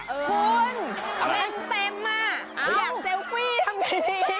คุณเต็มอ่ะอยากเซลฟี่ทำไงดี